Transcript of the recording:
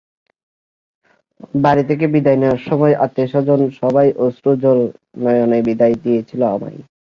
বাড়ি থেকে বিদায় নেওয়ার সময় আত্মীয়স্বজন সবাই অশ্রুসজল নয়নে বিদায় দিয়েছিল আমায়।